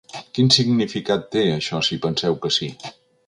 Quin significat té això si penseu que sí?